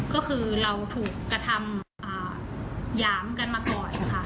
ก็คือเราถูกกระทำหยามกันมาก่อนค่ะ